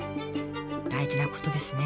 大事なことですね。